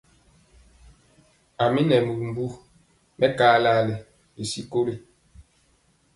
A mi nɛ bimbu mɛkalali ri sikoli.